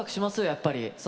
やっぱり。